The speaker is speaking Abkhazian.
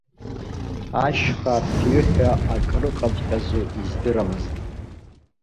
Ашьха афҩы ҳәа акрыҟаҵәҟьазу издырамызт.